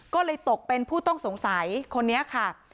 ก็เลยตกเป็นผู้ต้องสงสัยคนนี้ค่ะ